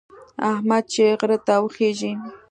احمد چې غره ته وخېژي،